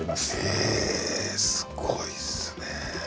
へえすごいっすね。